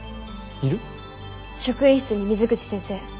職員室に水口先生。